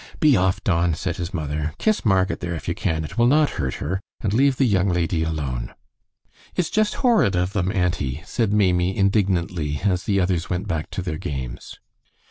"Be off, Don," said his mother. "Kiss Marget there, if you can it will not hurt her and leave the young lady alone." "It's just horrid of them, auntie," said Maimie, indignantly, as the others went back to their games.